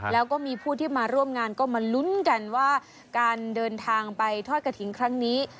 แล้วก็มีผู้ที่มาร่วมงานก็มาลุ้นกันว่าการเดินทางไปทอดกระถิ่นครั้งนี้